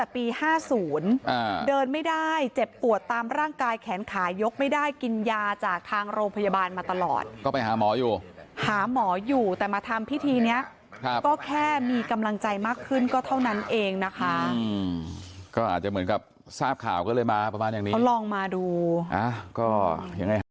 อภัยกรรมอภัยกรรมอภัยกรรมอภัยกรรมอภัยกรรมอภัยกรรมอภัยกรรมอภัยกรรมอภัยกรรมอภัยกรรมอภัยกรรมอภัยกรรมอภัยกรรมอภัยกรรมอภัยกรรมอภัยกรรมอภัยกรรมอภัยกรรมอภัยกรรมอภัยกรรมอภัยกรรมอภัยกรรมอ